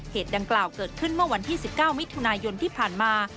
ดังกล่าวเกิดขึ้นเมื่อวันที่๑๙มิถุนายนที่ผ่านมา